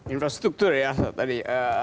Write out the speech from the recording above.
infrastruktur ya tadi